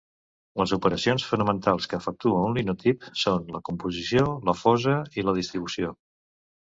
Les operacions fonamentals que efectua una linotip són la composició, la fosa, i la distribució.